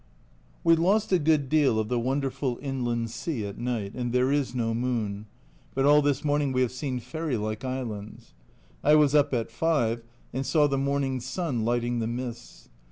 We lost a good deal of the wonderful Inland Sea at night, and there is no moon, but all this morning we have seen fairy like islands. I was up at five, and saw the morning sun lighting the mists.